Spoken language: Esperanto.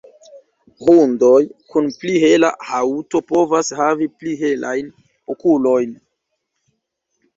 Hundoj kun pli hela haŭto povas havi pli helajn okulojn.